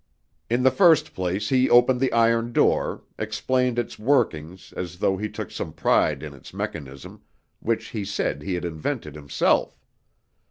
"In the first place he opened the iron door, explained its workings as though he took some pride in its mechanism, which he said he had invented himself.